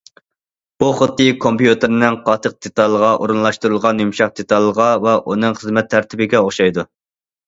بۇ خۇددى كومپيۇتېرنىڭ قاتتىق دېتالىغا ئورۇنلاشتۇرۇلغان يۇمشاق دېتالغا ۋە ئۇنىڭ خىزمەت تەرتىپىگە ئوخشايدۇ.